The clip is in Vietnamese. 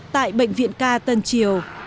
tại bệnh viện ca tân triều